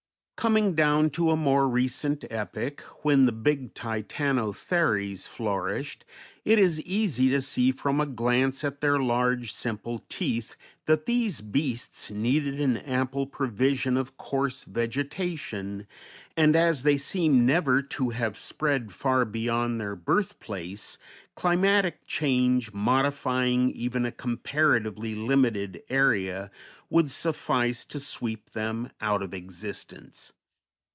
Coming down to a more recent epoch, when the big Titanotheres flourished, it is easy to see from a glance at their large, simple teeth that these beasts needed an ample provision of coarse vegetation, and as they seem never to have spread far beyond their birthplace, climatic change, modifying even a comparatively limited area, would suffice to sweep them out of existence.